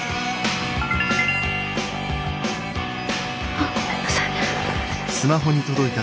あごめんなさい。